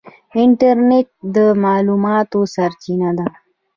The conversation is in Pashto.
انټرنیټ د معلوماتو سرچینه ده.